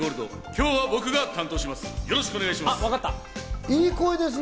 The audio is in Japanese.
今日は僕が担当します。